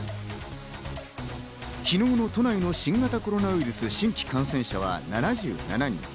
昨日の都内の新型コロナウイルス、新規感染者は７７人。